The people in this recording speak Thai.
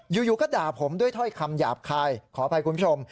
อยู่ก็ด่าผมด้วยถ้อยคำหยาบคายขออภัยคุณผู้ชม